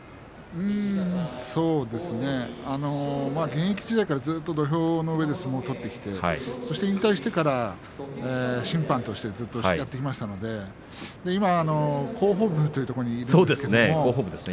そうですね現役時代から土俵の上で相撲を取ってきてそして引退してから審判としてやってきましたので今、広報部にいます。